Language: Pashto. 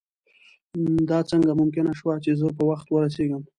دا څنګه ممکنه شوه چې زه په وخت ورسېږم.